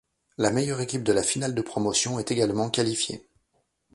La meilleure équipe de la finale de promotion est également qualifiée.